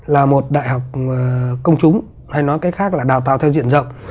là một đại học công chúng hay nói cách khác là đào tạo theo diện rộng